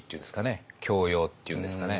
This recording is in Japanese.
教養っていうんですかね